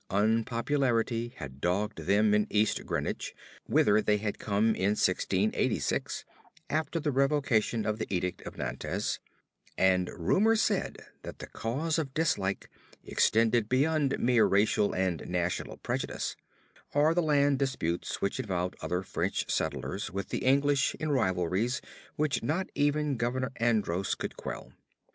Unpopularity had dogged them in East Greenwich, whither they had come in 1686, after the revocation of the Edict of Nantes, and rumor said that the cause of dislike extended beyond mere racial and national prejudice, or the land disputes which involved other French settlers with the English in rivalries which not even Governor Andros could quell.